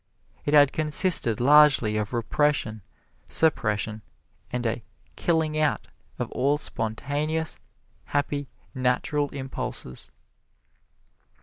It had consisted largely of repression, suppression and a killing out of all spontaneous, happy, natural impulses.